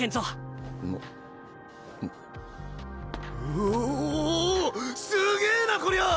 うおすげぇなこりゃ！